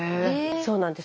そうなんです。